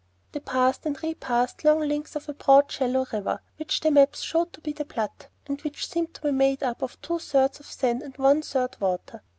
They passed and repassed long links of a broad shallow river which the maps showed to be the Platte, and which seemed to be made of two thirds sand to one third water.